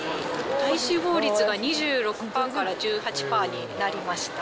体脂肪率が２６パーから１８パーになりました。